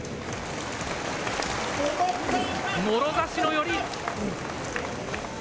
もろざしの寄り。